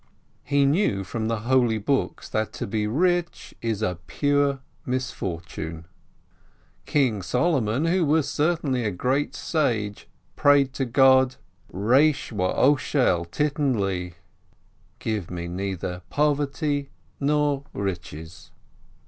He knew from the holy books that to be rich is a pure misfortune. King Solomon, who was certainly a great sage, prayed to God: Eesh wo Osher al titten li! — "Give me neither poverty nor riches!"